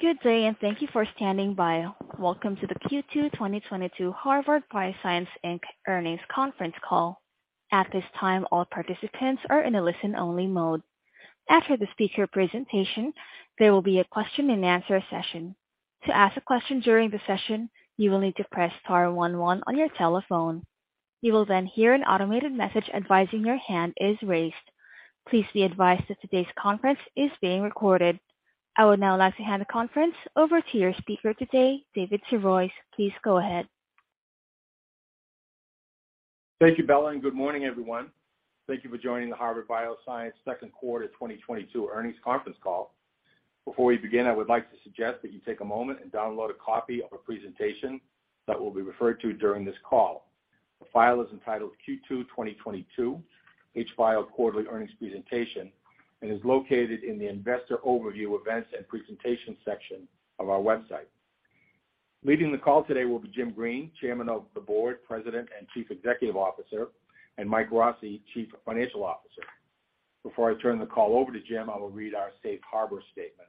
Good day, and thank you for standing by. Welcome to the Q2 2022 Harvard Bioscience, Inc. earnings conference call. At this time, all participants are in a listen-only mode. After the speaker presentation, there will be a question-and-answer session. To ask a question during the session, you will need to press star one one on your telephone. You will then hear an automated message advising your hand is raised. Please be advised that today's conference is being recorded. I would now like to hand the conference over to your speaker today, David Sirois. Please go ahead. Thank you, Bella, and good morning, everyone. Thank you for joining the Harvard Bioscience second quarter 2022 earnings conference call. Before we begin, I would like to suggest that you take a moment and download a copy of a presentation that will be referred to during this call. The file is entitled Q2 2022 HBI quarterly earnings presentation and is located in the investor overview events and presentations section of our website. Leading the call today will be Jim Green, Chairman of the Board, President, and Chief Executive Officer, and Mike Rossi, Chief Financial Officer. Before I turn the call over to Jim, I will read our safe harbor statement.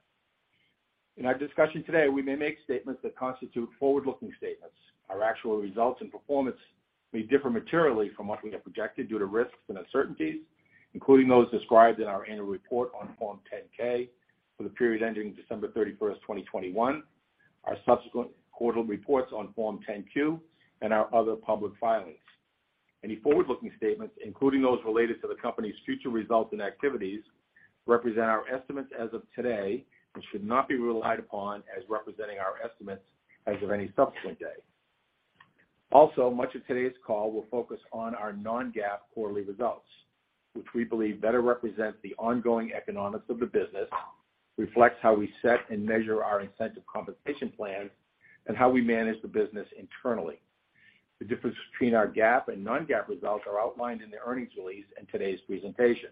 In our discussion today, we may make statements that constitute forward-looking statements. Our actual results and performance may differ materially from what we have projected due to risks and uncertainties, including those described in our annual report on Form 10-K for the period ending December 31st, 2021, our subsequent quarterly reports on Form 10-Q, and our other public filings. Any forward-looking statements, including those related to the company's future results and activities, represent our estimates as of today and should not be relied upon as representing our estimates as of any subsequent day. Also, much of today's call will focus on our non-GAAP quarterly results, which we believe better represent the ongoing economics of the business, reflects how we set and measure our incentive compensation plan, and how we manage the business internally. The difference between our GAAP and non-GAAP results are outlined in the earnings release and today's presentation.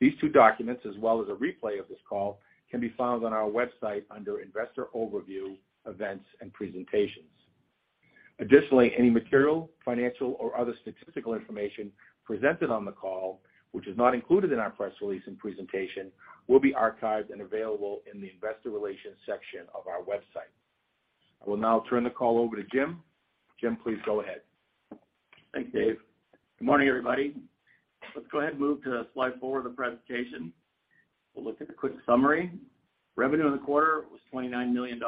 These two documents, as well as a replay of this call, can be found on our website under Investor Overview, Events, and Presentations. Additionally, any material, financial, or other statistical information presented on the call, which is not included in our press release and presentation, will be archived and available in the Investor Relations section of our website. I will now turn the call over to Jim. Jim, please go ahead. Thanks, Dave. Good morning, everybody. Let's go ahead and move to slide four of the presentation. We'll look at a quick summary. Revenue in the quarter was $29 million,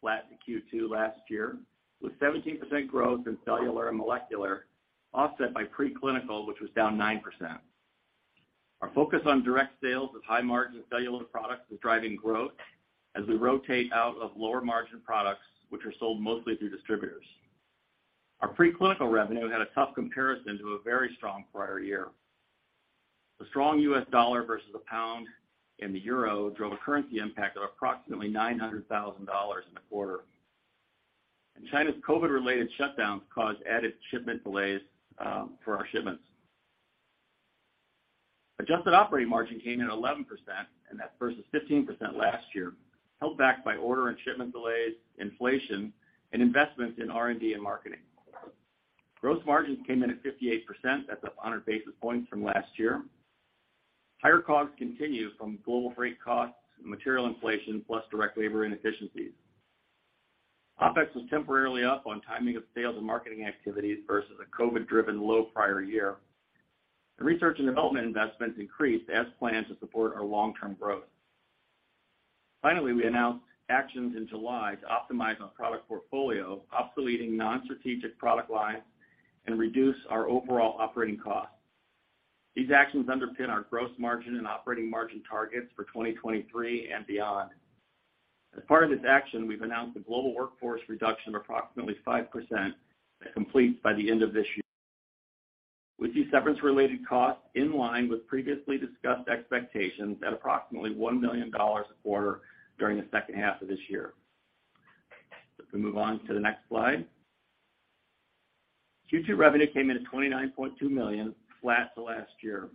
flat to Q2 last year, with 17% growth in cellular and molecular, offset by preclinical, which was down 9%. Our focus on direct sales of high-margin cellular products is driving growth as we rotate out of lower-margin products, which are sold mostly through distributors. Our preclinical revenue had a tough comparison to a very strong prior year. The strong U.S. dollar versus the pound and the euro drove a currency impact of approximately $900,000 in the quarter. China's COVID-related shutdowns caused added shipment delays for our shipments. Adjusted operating margin came in at 11%, and that versus 15% last year, held back by order and shipment delays, inflation, and investments in R&D and marketing. Gross margins came in at 58%. That's up 100 basis points from last year. Higher costs continue from global freight costs, material inflation, plus direct labor inefficiencies. OpEx was temporarily up on timing of sales and marketing activities versus a COVID-driven low prior year. The research and development investments increased as planned to support our long-term growth. Finally, we announced actions in July to optimize our product portfolio, obsoleting non-strategic product lines and reduce our overall operating costs. These actions underpin our gross margin and operating margin targets for 2023 and beyond. As part of this action, we've announced a global workforce reduction of approximately 5% that completes by the end of this year, with these severance-related costs in line with previously discussed expectations at approximately $1 million a quarter during the second half of this year. If we move on to the next slide. Q2 revenue came in at $29.2 million, flat to last year.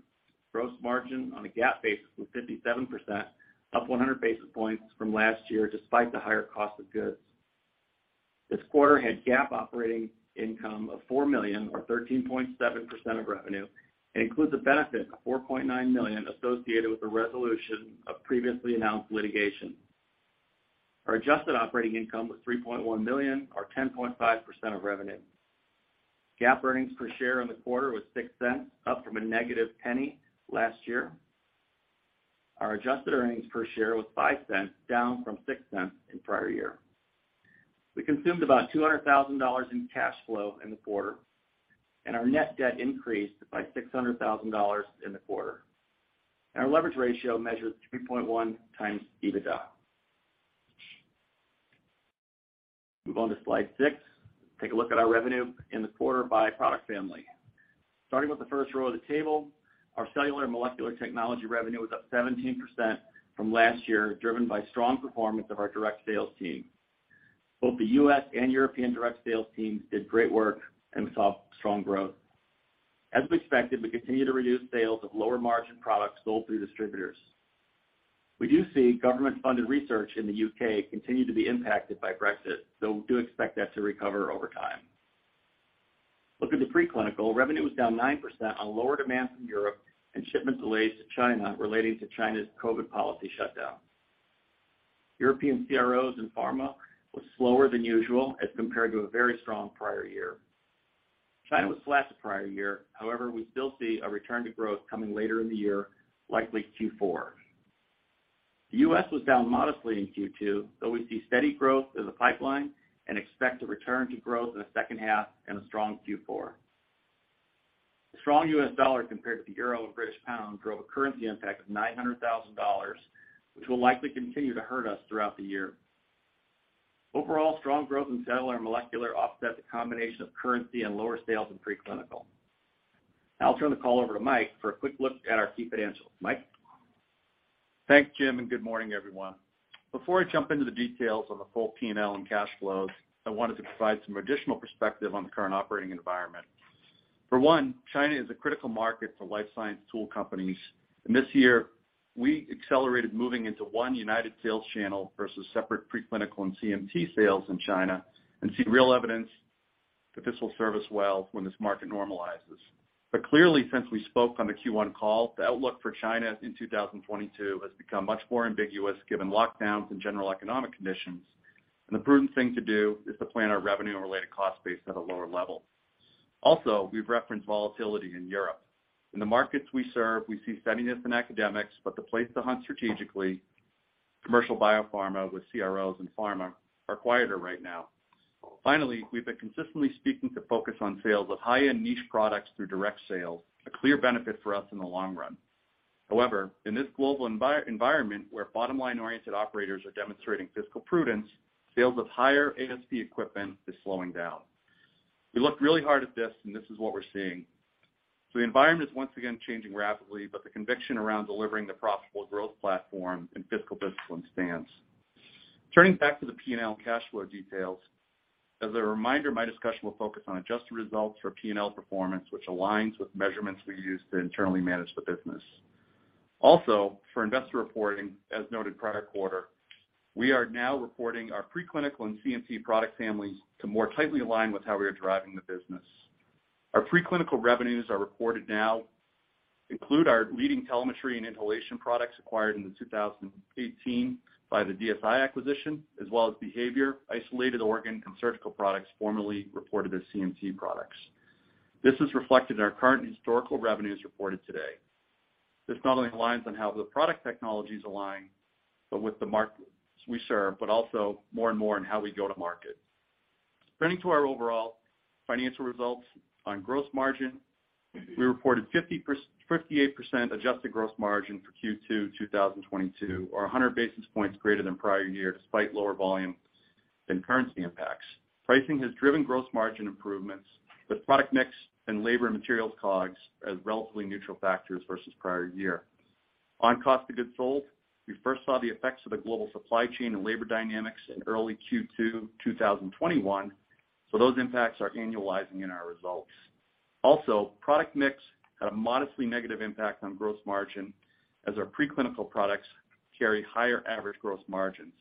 Gross margin on a GAAP basis was 57%, up 100 basis points from last year despite the higher cost of goods. This quarter had GAAP operating income of $4 million or 13.7% of revenue and includes a benefit of $4.9 million associated with the resolution of previously announced litigation. Our adjusted operating income was $3.1 million or 10.5% of revenue. GAAP earnings per share in the quarter was $0.06, up from -$0.01 last year. Our adjusted earnings per share was $0.05, down from $0.06 in prior year. We consumed about $200,000 in cash flow in the quarter, and our net debt increased by $600,000 in the quarter. Our leverage ratio measures 3.1x EBITDA. Move on to slide six. Take a look at our revenue in the quarter by product family. Starting with the first row of the table, our cellular and molecular technology revenue was up 17% from last year, driven by strong performance of our direct sales team. Both the U.S. and European direct sales teams did great work and saw strong growth. As expected, we continue to reduce sales of lower margin products sold through distributors. We do see government-funded research in the U.K. continue to be impacted by Brexit, though we do expect that to recover over time. Look at the preclinical revenue was down 9% on lower demand from Europe and shipment delays to China relating to China's COVID policy shutdown. European CROs and pharma was slower than usual as compared to a very strong prior year. China was flat the prior year, however, we still see a return to growth coming later in the year, likely Q4. The U.S. was down modestly in Q2, though we see steady growth as a pipeline and expect a return to growth in the second half and a strong Q4. The strong U.S. dollar compared to the euro and British pound drove a currency impact of $900,000, which will likely continue to hurt us throughout the year. Overall, strong growth in cellular and molecular offset the combination of currency and lower sales in preclinical. Now I'll turn the call over to Mike for a quick look at our key financials. Mike? Thanks, Jim, and good morning, everyone. Before I jump into the details on the full P&L and cash flows, I wanted to provide some additional perspective on the current operating environment. For one, China is a critical market for life science tool companies, and this year, we accelerated moving into one united sales channel versus separate preclinical and CMT sales in China and see real evidence that this will serve us well when this market normalizes. Clearly, since we spoke on the Q1 call, the outlook for China in 2022 has become much more ambiguous given lockdowns and general economic conditions, and the prudent thing to do is to plan our revenue and related cost base at a lower level. Also, we've referenced volatility in Europe. In the markets we serve, we see steadiness in academics, but the place to hunt strategically, commercial biopharma with CROs and pharma, are quieter right now. Finally, we've been consistently speaking to focus on sales of high-end niche products through direct sales, a clear benefit for us in the long run. However, in this global environment where bottom-line-oriented operators are demonstrating fiscal prudence, sales of higher ASP equipment is slowing down. We looked really hard at this, and this is what we're seeing. The environment is once again changing rapidly, but the conviction around delivering the profitable growth platform and fiscal discipline stands. Turning back to the P&L and cash flow details, as a reminder, my discussion will focus on adjusted results for P&L performance, which aligns with measurements we use to internally manage the business. Also, for investor reporting, as noted prior quarter, we are now reporting our preclinical and CMT product families to more tightly align with how we are driving the business. Our preclinical revenues are reported now include our leading telemetry and inhalation products acquired in 2018 by the DSI acquisition, as well as behavior, isolated organ, and surgical products formerly reported as CMT products. This is reflected in our current and historical revenues reported today. This not only aligns on how the product technologies align, but with the markets we serve, but also more and more in how we go to market. Turning to our overall financial results on gross margin, we reported 58% adjusted gross margin for Q2 2022, or 100 basis points greater than prior year despite lower volumes and currency impacts. Pricing has driven gross margin improvements, with product mix and labor and materials COGS as relatively neutral factors versus prior year. On cost of goods sold, we first saw the effects of the global supply chain and labor dynamics in early Q2 2021, so those impacts are annualizing in our results. Also, product mix had a modestly negative impact on gross margin as our preclinical products carry higher average gross margins.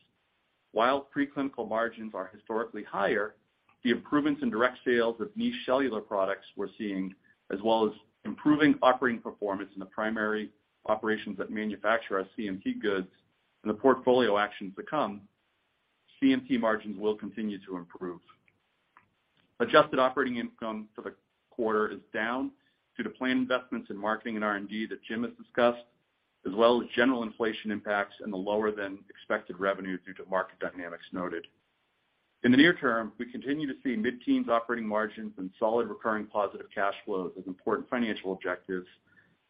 While preclinical margins are historically higher, the improvements in direct sales of niche cellular products we're seeing, as well as improving operating performance in the primary operations that manufacture our CMT goods and the portfolio actions to come, CMT margins will continue to improve. Adjusted operating income for the quarter is down due to planned investments in marketing and R&D that Jim has discussed, as well as general inflation impacts and the lower than expected revenue due to market dynamics noted. In the near term, we continue to see mid-teens operating margins and solid recurring positive cash flows as important financial objectives.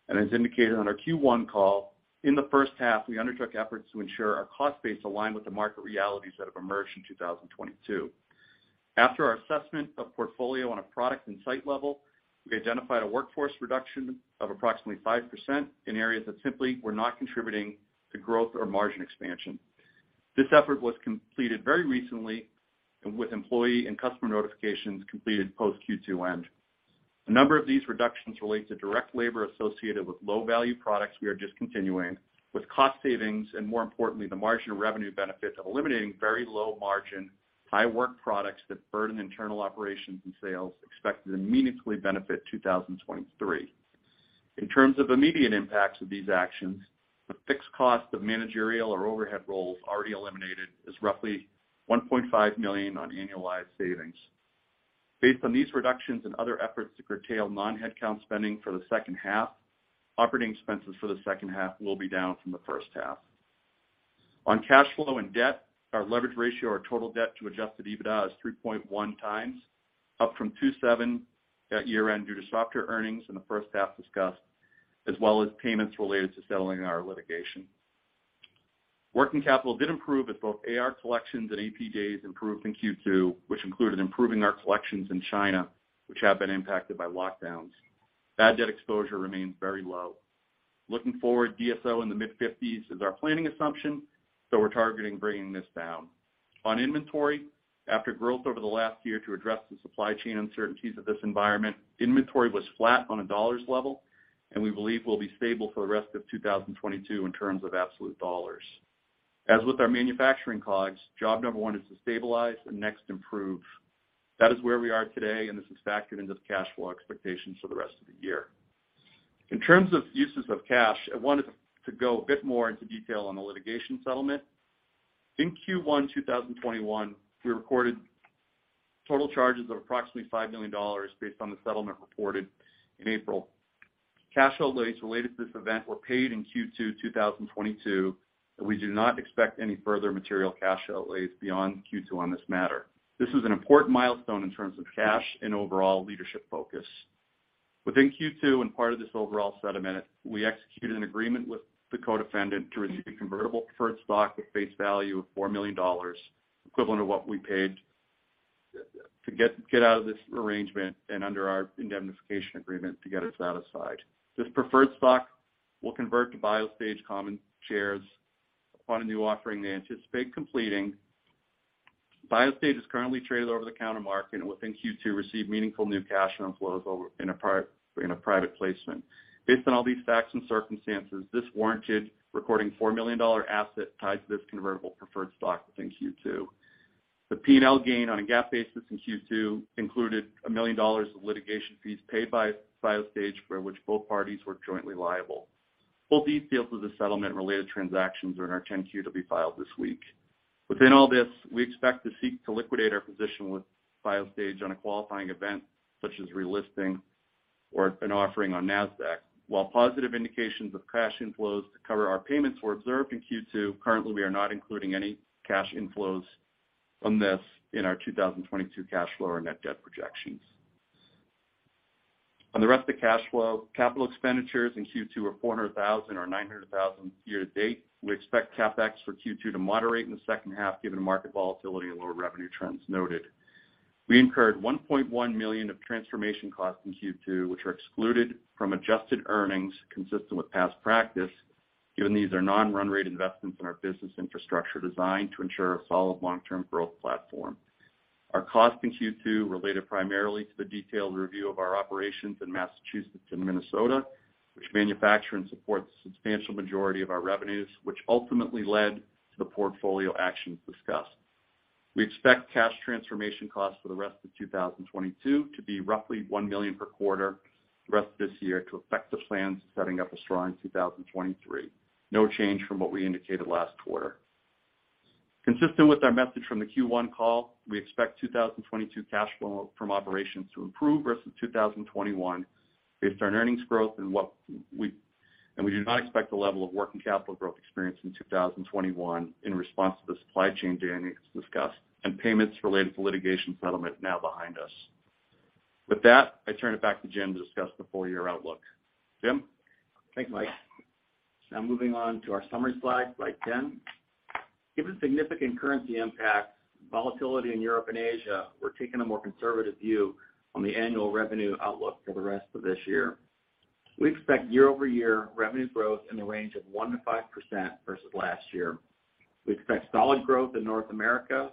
As indicated on our Q1 call, in the first half, we undertook efforts to ensure our cost base aligned with the market realities that have emerged in 2022. After our assessment of portfolio on a product and site level, we identified a workforce reduction of approximately 5% in areas that simply were not contributing to growth or margin expansion. This effort was completed very recently and with employee and customer notifications completed post Q2 end. A number of these reductions relate to direct labor associated with low-value products we are discontinuing, with cost savings and, more importantly, the margin and revenue benefit of eliminating very low margin, high work products that burden internal operations and sales expected to immediately benefit 2023. In terms of immediate impacts of these actions, the fixed cost of managerial or overhead roles already eliminated is roughly $1.5 million in annualized savings. Based on these reductions and other efforts to curtail non-headcount spending for the second half, operating expenses for the second half will be down from the first half. On cash flow and debt, our leverage ratio or total debt to adjusted EBITDA is 3.1x, up from 2.7 at year-end due to softer earnings in the first half discussed, as well as payments related to settling our litigation. Working capital did improve as both AR collections and AP days improved in Q2, which included improving our collections in China, which have been impacted by lockdowns. Bad debt exposure remains very low. Looking forward, DSO in the mid-fifties is our planning assumption, so we're targeting bringing this down. On inventory, after growth over the last year to address the supply chain uncertainties of this environment, inventory was flat on a dollars level, and we believe will be stable for the rest of 2022 in terms of absolute dollars. As with our manufacturing COGS, job number one is to stabilize and next improve. That is where we are today, and this is factored into the cash flow expectations for the rest of the year. In terms of uses of cash, I wanted to go a bit more into detail on the litigation settlement. In Q1 2021, we recorded total charges of approximately $5 million based on the settlement reported in April. Cash outlays related to this event were paid in Q2 2022, and we do not expect any further material cash outlays beyond Q2 on this matter. This is an important milestone in terms of cash and overall leadership focus. Within Q2 and part of this overall settlement, we executed an agreement with the co-defendant to receive convertible preferred stock with face value of $4 million, equivalent to what we paid to get out of this arrangement and under our indemnification agreement to get us satisfied. This preferred stock will convert to Biostage common shares upon a new offering they anticipate completing. Biostage is currently traded over-the-counter market and within Q2 received meaningful new cash inflows in a private placement. Based on all these facts and circumstances, this warranted recording $4 million asset tied to this convertible preferred stock within Q2. The P&L gain on a GAAP basis in Q2 included $1 million of litigation fees paid by Biostage for which both parties were jointly liable. Full details of the settlement-related transactions are in our 10-Q to be filed this week. Within all this, we expect to seek to liquidate our position with Biostage on a qualifying event such as relisting or an offering on Nasdaq. While positive indications of cash inflows to cover our payments were observed in Q2, currently, we are not including any cash inflows from this in our 2022 cash flow or net debt projections. On the rest of the cash flow, capital expenditures in Q2 are $400,000 or $900,000 year-to-date. We expect CapEx for Q2 to moderate in the second half given the market volatility and lower revenue trends noted. We incurred $1.1 million of transformation costs in Q2, which are excluded from adjusted earnings consistent with past practice, given these are non-run rate investments in our business infrastructure designed to ensure a solid long-term growth platform. Our cost in Q2 related primarily to the detailed review of our operations in Massachusetts and Minnesota, which manufacture and support the substantial majority of our revenues, which ultimately led to the portfolio actions discussed. We expect cash transformation costs for the rest of 2022 to be roughly $1 million per quarter the rest of this year to effect the plans, setting up a strong 2023. No change from what we indicated last quarter. Consistent with our message from the Q1 call, we expect 2022 cash flow from operations to improve versus 2021 based on earnings growth. We do not expect the level of working capital growth experienced in 2021 in response to the supply chain dynamics discussed and payments related to litigation settlement now behind us. With that, I turn it back to Jim to discuss the full-year outlook. Jim? Thanks, Mike. Now moving on to our summary slide 10. Given significant currency impact, volatility in Europe and Asia, we're taking a more conservative view on the annual revenue outlook for the rest of this year. We expect year-over-year revenue growth in the range of 1%-5% versus last year. We expect solid growth in North America,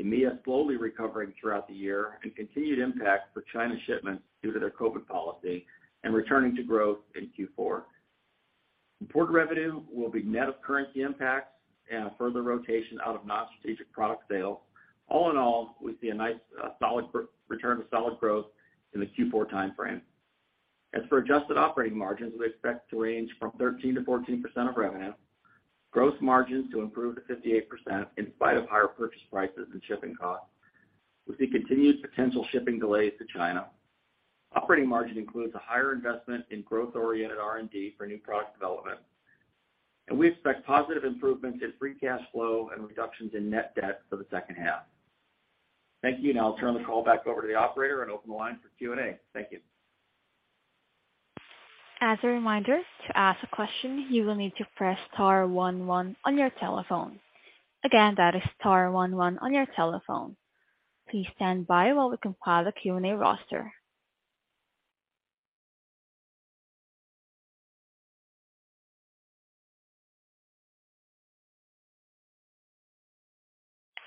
EMEA slowly recovering throughout the year, and continued impact for China shipments due to their COVID policy and returning to growth in Q4. Imported revenue will be net of currency impacts and a further rotation out of non-strategic product sales. All in all, we see a nice, solid return to solid growth in the Q4 timeframe. As for adjusted operating margins, we expect to range from 13%-14% of revenue, gross margins to improve to 58% in spite of higher purchase prices and shipping costs. We see continued potential shipping delays to China. Operating margin includes a higher investment in growth-oriented R&D for new product development. We expect positive improvements in free cash flow and reductions in net debt for the second half. Thank you. Now I'll turn the call back over to the operator and open the line for Q&A. Thank you. As a reminder, to ask a question, you will need to press star one one on your telephone. Again, that is star one one on your telephone. Please stand by while we compile a Q&A roster.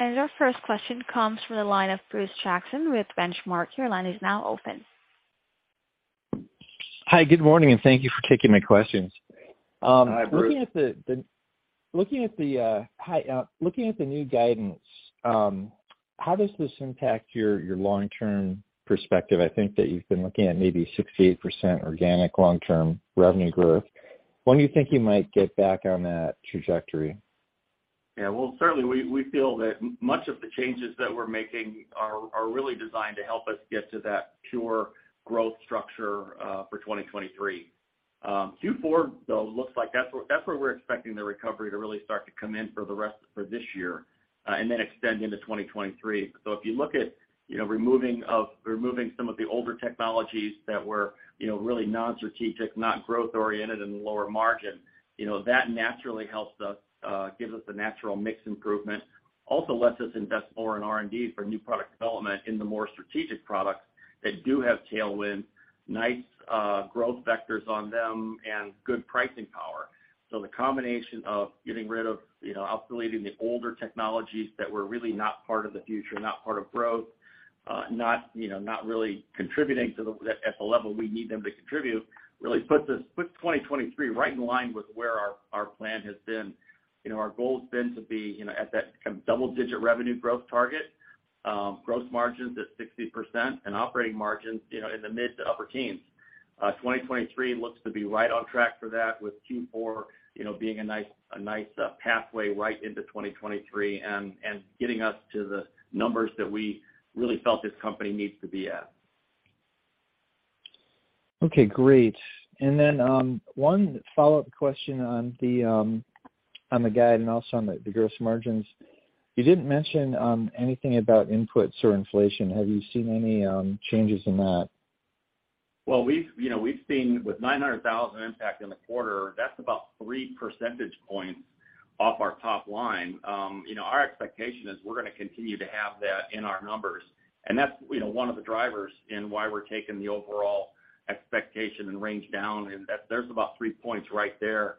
Our first question comes from the line of Bruce Jackson with Benchmark. Your line is now open. Hi, good morning, and thank you for taking my questions. Hi, Bruce. Looking at the new guidance, how does this impact your long-term perspective? I think that you've been looking at maybe 6%-8% organic long-term revenue growth. When do you think you might get back on that trajectory? Yeah, well, certainly we feel that much of the changes that we're making are really designed to help us get to that pure growth structure for 2023. Q4, though, looks like that's where we're expecting the recovery to really start to come in for this year and then extend into 2023. If you look at, you know, removing some of the older technologies that were, you know, really non-strategic, not growth oriented and lower margin, you know, that naturally helps us, gives us a natural mix improvement, also lets us invest more in R&D for new product development in the more strategic products that do have tailwind, nice growth vectors on them and good pricing power. The combination of getting rid of, you know, obsoleting the older technologies that were really not part of the future, not part of growth, not, you know, not really contributing to the level we need them to contribute, really puts 2023 right in line with where our plan has been. You know, our goal has been to be, you know, at that kind of double-digit revenue growth target. Gross margins at 60% and operating margins, you know, in the mid to upper teens. 2023 looks to be right on track for that with Q4, you know, being a nice pathway right into 2023 and getting us to the numbers that we really felt this company needs to be at. Okay, great. One follow-up question on the guide and also on the gross margins. You didn't mention anything about inputs or inflation. Have you seen any changes in that? Well, we've, you know, seen with $900,000 impact in the quarter, that's about three percentage points off our top line. You know, our expectation is we're gonna continue to have that in our numbers. That's, you know, one of the drivers in why we're taking the overall expectation and range down, and that there's about three points right there.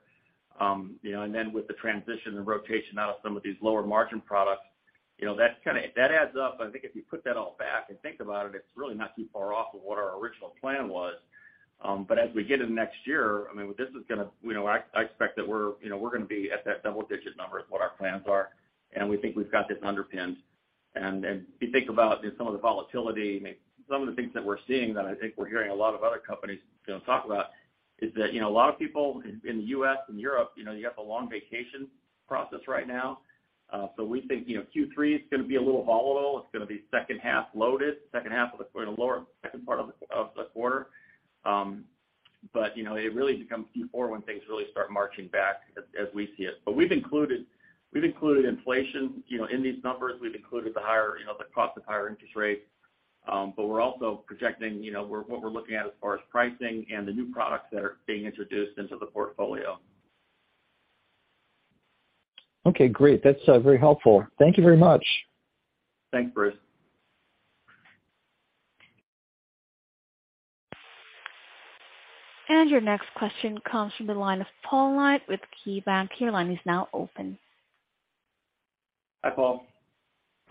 You know, with the transition and rotation out of some of these lower margin products, you know, that adds up. I think if you put that all back and think about it's really not too far off of what our original plan was. As we get into next year, I mean, this is gonna, you know, I expect that we're, you know, we're gonna be at that double-digit number, is what our plans are. We think we've got this underpinned. If you think about just some of the volatility, I mean, some of the things that we're seeing that I think we're hearing a lot of other companies, you know, talk about is that, you know, a lot of people in the U.S. and Europe, you know, you have a long vacation process right now. So we think, you know, Q3 is gonna be a little volatile. It's gonna be second half loaded, second half of the quarter, lower second part of the quarter. But, you know, it really becomes Q4 when things really start marching back as we see it. We've included inflation, you know, in these numbers. We've included the higher, you know, the cost of higher interest rates. We're also projecting, you know, what we're looking at as far as pricing and the new products that are being introduced into the portfolio. Okay, great. That's very helpful. Thank you very much. Thanks, Bruce. Your next question comes from the line of Paul Knight with KeyBanc. Your line is now open. Hi, Paul.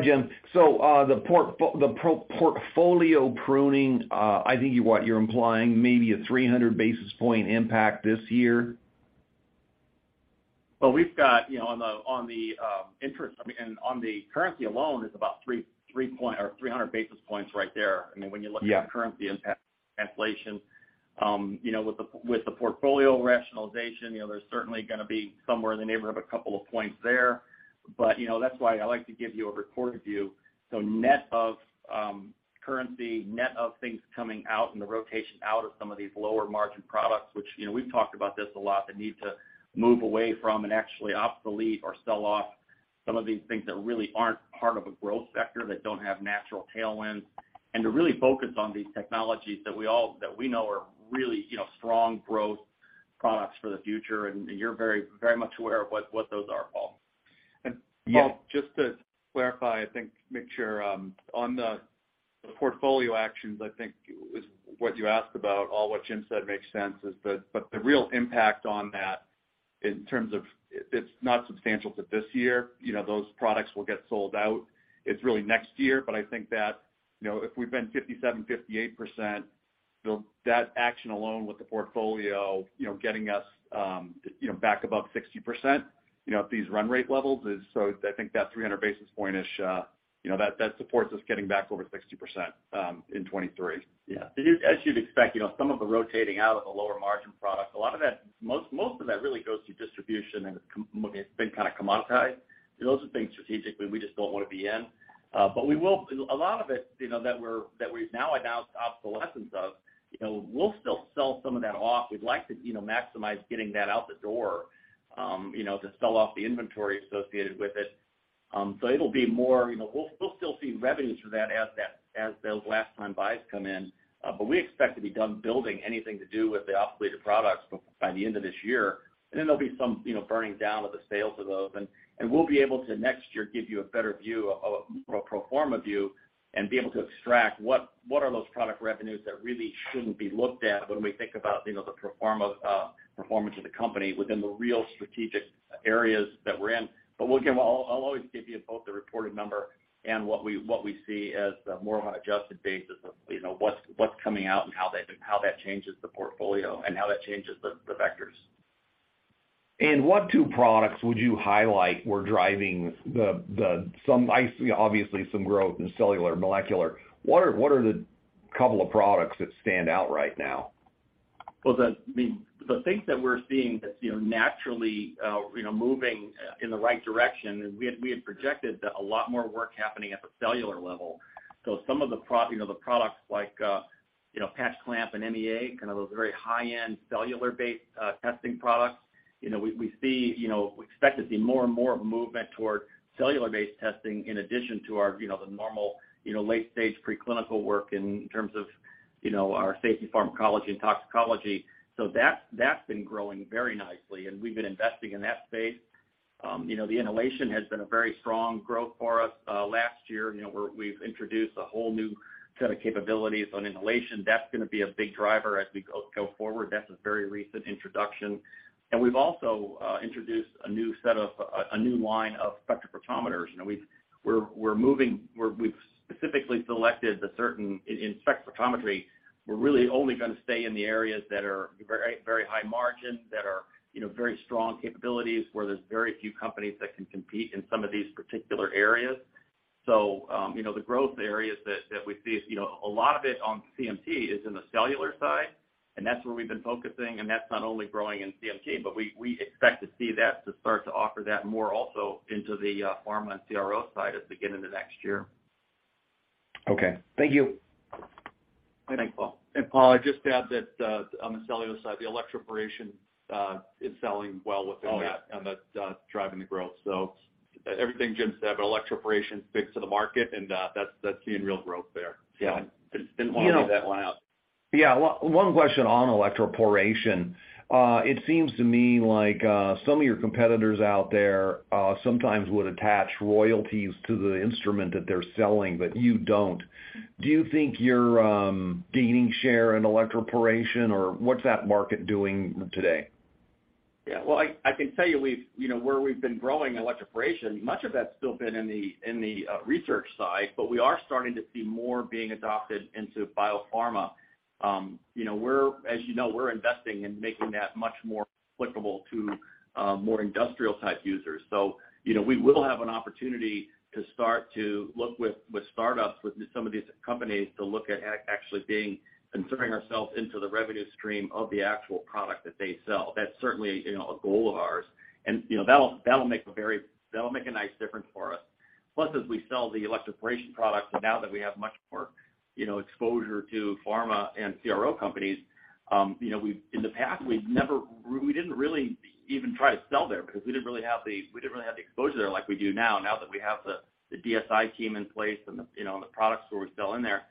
Jim, the portfolio pruning, I think what you're implying maybe a 300 basis point impact this year? Well, we've got, you know, on the currency alone, it's about 3% or 300 basis points right there. I mean, when you look- Yeah. At the currency and translation, you know, with the portfolio rationalization, you know, there's certainly gonna be somewhere in the neighborhood of a couple of points there. You know, that's why I like to give you a reported view. Net of currency, net of things coming out and the rotation out of some of these lower margin products, which, you know, we've talked about this a lot, the need to move away from and actually obsolete or sell off some of these things that really aren't part of a growth sector, that don't have natural tailwinds, and to really focus on these technologies that we know are really, you know, strong growth products for the future. You're very, very much aware of what those are, Paul. Paul, just to clarify, I think make sure on the portfolio actions, I think is what you asked about, all what Jim said makes sense, is that the real impact on that in terms of it's not substantial to this year. You know, those products will get sold out. It's really next year. I think that, you know, if we've been 57%-58%, that action alone with the portfolio, you know, getting us, you know, back above 60%, you know, at these run rate levels is so I think that 300 basis point-ish, you know, that supports us getting back over 60% in 2023. Yeah. As you'd expect, you know, some of the rotating out of the lower margin products, a lot of that, most of that really goes through distribution, and it's been kind of commoditized. So those are things strategically we just don't wanna be in. But we will. A lot of it, you know, that we've now announced obsolescence of, you know, we'll still sell some of that off. We'd like to, you know, maximize getting that out the door, you know, to sell off the inventory associated with it. So it'll be more, you know, we'll still see revenues for that as those last-time buys come in. But we expect to be done building anything to do with the obsoleted products by the end of this year. There'll be some, you know, burning down of the sales of those. We'll be able to next year give you a better view of a pro forma view and be able to extract what are those product revenues that really shouldn't be looked at when we think about, you know, the pro forma performance of the company within the real strategic areas that we're in. Look, I'll always give you both the reported number and what we see as more of an adjusted basis of, you know, what's coming out and how that changes the portfolio and how that changes the vectors. What two products would you highlight were driving? I see obviously some growth in cellular and molecular. What are the couple of products that stand out right now? Well, I mean, the things that we're seeing that, you know, naturally, you know, moving in the right direction, and we had projected that a lot more work happening at the cellular level. Some of the products like, you know, patch clamp and MEA, kind of those very high-end cellular-based testing products, you know, we see, you know, we expect to see more and more of a movement toward cellular-based testing in addition to our, you know, the normal, you know, late-stage preclinical work in terms of, you know, our safety pharmacology and toxicology. That's been growing very nicely, and we've been investing in that space. You know, the inhalation has been a very strong growth for us. Last year, you know, we've introduced a whole new set of capabilities on inhalation. That's gonna be a big driver as we go forward. That's a very recent introduction. We've also introduced a new line of spectrophotometers. You know, we're moving. We've specifically selected the certain. In spectrophotometry, we're really only gonna stay in the areas that are very high margin, that are, you know, very strong capabilities, where there's very few companies that can compete in some of these particular areas. You know, the growth areas that we see, a lot of it on CMT is in the cellular side, and that's where we've been focusing, and that's not only growing in CMT, but we expect to see that to start to offer that more also into the pharma and CRO side at the beginning of next year. Okay. Thank you. Thanks, Paul. Paul, I'd just add that on the cellular side, the electroporation is selling well within that. Oh, yeah. That's driving the growth. Everything Jim said, but electroporation's big to the market and that's seeing real growth there. Yeah. Just didn't wanna leave that one out. Yeah. One question on electroporation. It seems to me like some of your competitors out there sometimes would attach royalties to the instrument that they're selling, but you don't. Do you think you're gaining share in electroporation, or what's that market doing today? Yeah. Well, I can tell you we've, you know, where we've been growing in electroporation, much of that's still been in the research side, but we are starting to see more being adopted into biopharma. You know, as you know, we're investing in making that much more applicable to more industrial-type users. You know, we will have an opportunity to start to look with startups, with some of these companies to look at actually being inserting ourselves into the revenue stream of the actual product that they sell. That's certainly, you know, a goal of ours. You know, that'll make a nice difference for us. Plus, as we sell the electroporation products, now that we have much more, you know, exposure to pharma and CRO companies, you know, in the past we didn't really even try to sell there because we didn't really have the exposure there like we do now that we have the DSI team in place and, you know, the products that we sell in there.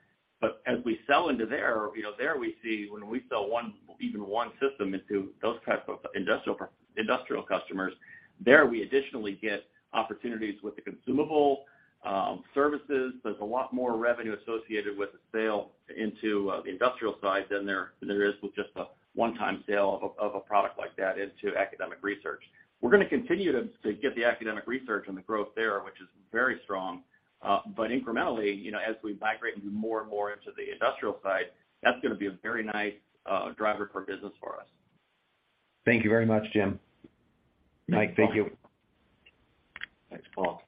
As we sell into there, you know, there we see when we sell one, even one system into those types of industrial customers, there we additionally get opportunities with the consumables and services. There's a lot more revenue associated with the sale into the industrial side than there is with just a one-time sale of a product like that into academic research. We're gonna continue to get the academic research and the growth there, which is very strong, but incrementally, you know, as we migrate more and more into the industrial side, that's gonna be a very nice driver for business for us. Thank you very much, Jim. Mike, thank you. Thanks, Paul.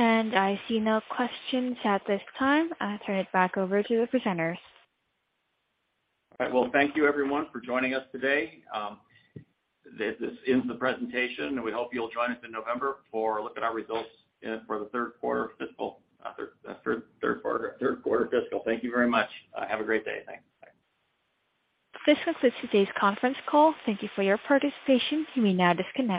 I see no questions at this time. I'll turn it back over to the presenters. All right. Well, thank you, everyone, for joining us today. This ends the presentation, and we hope you'll join us in November for a look at our results for the third quarter fiscal. Thank you very much. Have a great day. Thanks. Bye. This concludes today's conference call. Thank you for your participation. You may now disconnect.